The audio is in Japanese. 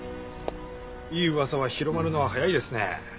いい噂は広まるのは早いですね。